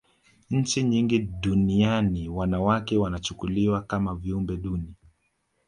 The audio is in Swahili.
nchi nyingi duniani wanawake wanachukuliwa kama viumbe duni